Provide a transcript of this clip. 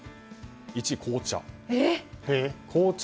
１位、紅茶。